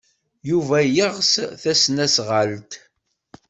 Yuba yeɣs tasnasɣalt.